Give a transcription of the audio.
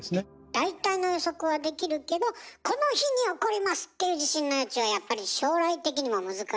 大体の予測はできるけどこの日に起こりますっていう地震の予知はやっぱり将来的にも難しいの？